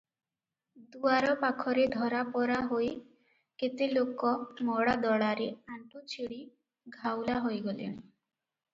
ଦୁଆର ପାଖରେ ଧରାପରା ହୋଇ କେତେ ଲୋକ ମଡ଼ା ଦଳାରେ ଆଣ୍ଠୁ ଛିଡି ଘାଉଲା ହୋଇଗଲେଣି ।